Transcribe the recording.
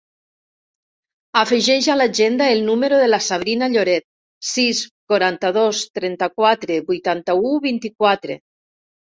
Afegeix a l'agenda el número de la Sabrina Lloret: sis, quaranta-dos, trenta-quatre, vuitanta-u, vint-i-quatre.